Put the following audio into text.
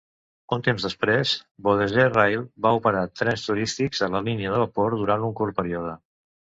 Un temps després, Beaudesert Rail va operar trens turístics a la línia de vapor durant un curt període.